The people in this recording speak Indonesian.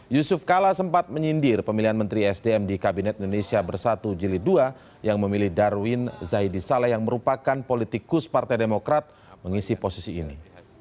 yusuf kala sempat menyindir pemilihan menteri sdm di kabinet indonesia bersatu jilid dua yang memilih darwin zaidisaleh yang merupakan politikus partai demokrat mengisi posisi ini